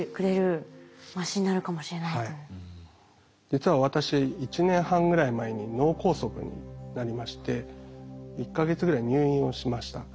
実は私１年半ぐらい前に脳梗塞になりまして１か月ぐらい入院をしました。